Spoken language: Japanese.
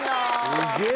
すげえ。